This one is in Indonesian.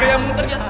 kayak muter jatuh